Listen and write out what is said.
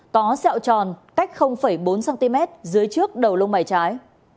có sẹo tròn cách bốn cm dưới trước đầu lông mày trái